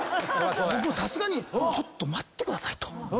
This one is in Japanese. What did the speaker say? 僕もさすがにちょっと待ってくださいと。